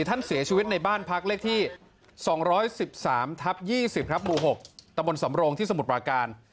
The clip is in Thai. ท่านเสียชีวิตในบ้านพักเลขที่๒๑๓ทับ๒๐ครับหมู่๖ตะบนสำโรงที่สมุทรปราการ